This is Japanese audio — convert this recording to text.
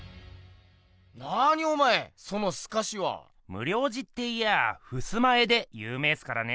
無量寺っていやあふすま絵でゆう名すからね。